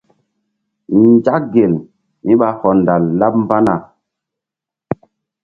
Nzak gel mí ɓa hɔndal laɓ mbana.